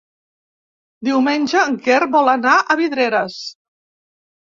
Diumenge en Quer vol anar a Vidreres.